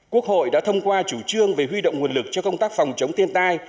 quốc hội đã thông qua chủ trương về huy động nguồn lực cho công tác phòng chống thiên tai